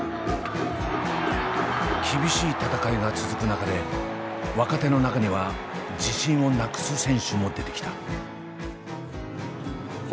厳しい戦いが続く中で若手の中には自信をなくす選手も出てきた。